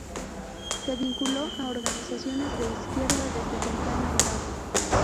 Se vinculó a organizaciones de izquierda desde temprana edad.